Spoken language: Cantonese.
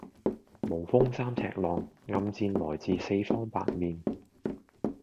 無風三尺浪，暗箭來自四方八面